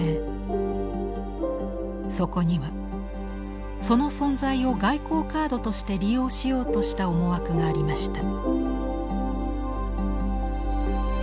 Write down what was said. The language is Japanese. そこにはその存在を外交カードとして利用しようとした思惑がありました。